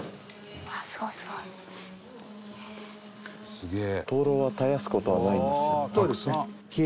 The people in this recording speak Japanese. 「すげえ」